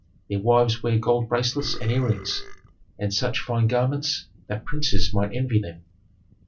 Their wives wear gold bracelets and earrings, and such fine garments that princes might envy them.